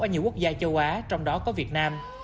ở nhiều quốc gia châu á trong đó có việt nam